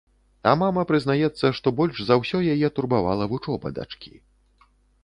А мама прызнаецца, што больш за ўсё яе турбавала вучоба дачкі.